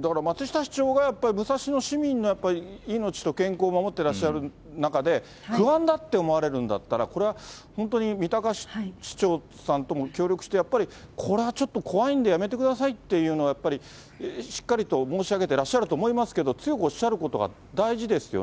だから松下市長が、やっぱり武蔵野市民の命と健康を守ってらっしゃる中で、不安だって思われるんだったら、これは本当に三鷹市長さんとも協力して、やっぱりこれはちょっと怖いんで、やめてくださいっていうのをやっぱりしっかりと申し上げてらっしゃると思いますけど、強くおっしゃることが大事ですよね。